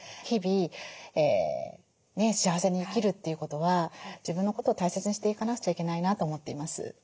日々幸せに生きるということは自分のことを大切にしていかなくちゃいけないなと思っています。